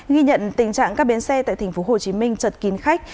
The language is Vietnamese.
ghi nhận tình trạng các biến xe tại tp hcm trật kín khách